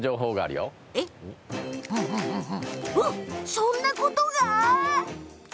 そんなことが？